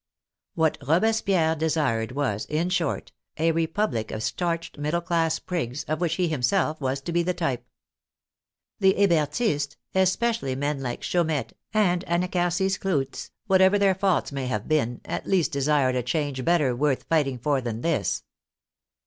What Robespierre desired was, in short, a RepubHc of starched, middle class prigs, of which he himself was to be the type. The Hebertists, especially men like* Chaumette and Anacharsis Clootz, whatever their faults may have been, at least desired a change better worth fighting for than this.